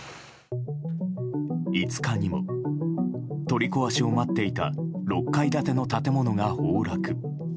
５日にも、取り壊しを待っていた６階建ての建物が崩落。